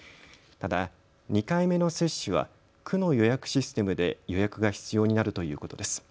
ただ、２回目の接種は区の予約システムで予約が必要になるということです。